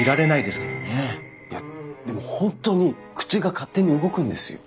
いやでも本当に口が勝手に動くんですよ。